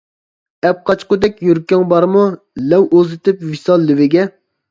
ئەپقاچقۇدەك يۈرىكىڭ بارمۇ؟ لەۋ ئۇزىتىپ ۋىسال لېۋىگە.